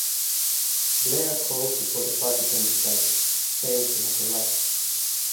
Blair calls before the party can be started, saying she has arrived.